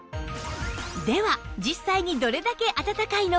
では実際にどれだけ暖かいのか？